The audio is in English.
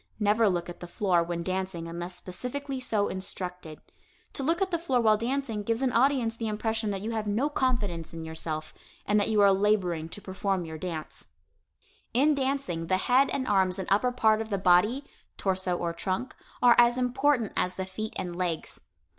Never look at the floor when dancing unless specifically so instructed. To look at the floor while dancing gives an audience the impression that you have no confidence in yourself and that you are laboring to perform your dance. [Illustration: Movements of Eyes Only] In dancing, the head and arms and upper part of the body (torso or trunk) are as important as the feet and legs.